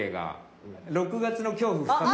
６月の恐怖再び。